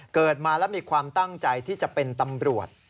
เกิดมาแล้วมีความตั้งใจที่จะเป็นตำรวจ